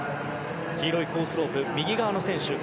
黄色いコースロープ右側の選手